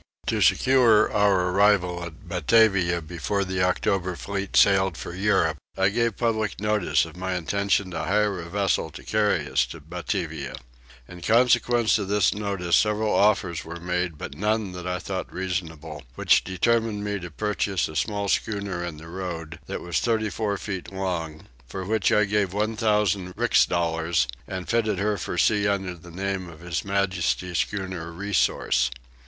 To secure our arrival at Batavia before the October fleet sailed for Europe I gave public notice of my intention to hire a vessel to carry us to Batavia. In consequence of this notice several offers were made but none that I thought reasonable; which determined me to purchase a small schooner in the road, that was 34 feet long, for which I gave 1000 rix dollars and fitted her for sea under the name of His Majesty's schooner Resource.